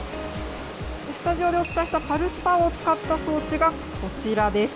スタジオでお伝えしたパルスパワーを使った装置がこちらです。